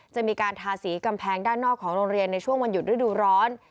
จะมีการทาสีกำแพงด้านนอกของโรงเรียนในช่วงวันหยุดฤดูร้อน